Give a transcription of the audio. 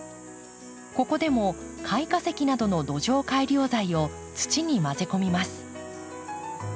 ここでも貝化石などの土壌改良材を土に混ぜ込みます。